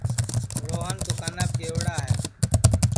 روہن دُؔکاناپ گئوڑا ہے